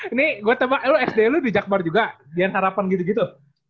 ini gue tambah lu sd lu di jakbar juga dian harapan gitu gitu